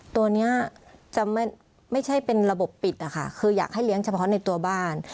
ตัวนี้จะไม่ใช่เป็นระบบปิดอะค่ะคืออยากให้เลี้ยงเฉพาะในตัวบ้าน